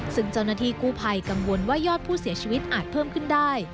ซึ่งเจ้าหน้าที่กู้ภัยกังวลว่ายอดผู้เสียชีวิตอาจเพิ่มขึ้นได้